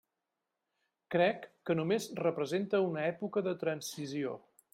Crec que només representa una època de transició.